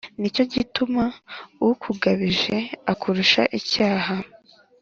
Nicyo gituma ukungabije akurusha icyaha